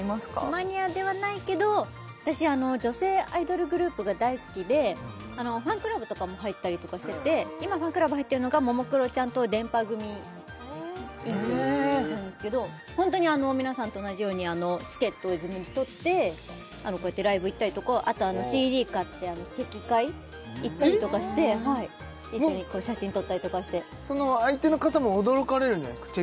マニアではないけど私女性アイドルグループが大好きでファンクラブとかも入ったりとかしてて今ファンクラブ入ってるのがももクロちゃんとでんぱ組．ｉｎｃなんですけど本当に皆さんと同じようにチケット自分で取ってこうやってライブ行ったりとかあとＣＤ買ってチェキ会行ったりとかして一緒に写真撮ったりとかしてその相手の方も驚かれるんじゃないですか？